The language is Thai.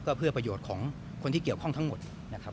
เพื่อประโยชน์ของคนที่เกี่ยวข้องทั้งหมดนะครับ